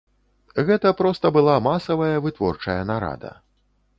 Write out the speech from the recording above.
Гэта проста была масавая вытворчая нарада.